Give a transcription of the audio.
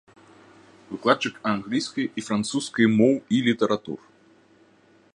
Выкладчык англійскай і французскай моў і літаратур.